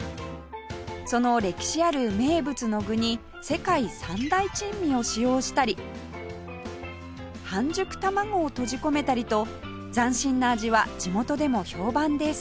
その歴史ある名物の具に世界三大珍味を使用したり半熟卵を閉じ込めたりと斬新な味は地元でも評判です